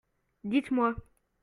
Dites-moi.